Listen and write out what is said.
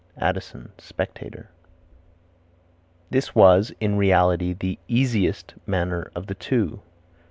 Addison, Spectator. "This was in reality the easiest manner of the two."